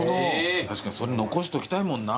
確かに残しときたいもんな。